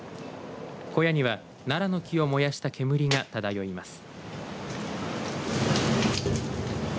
小屋には、ならの木を燃やした煙が漂います。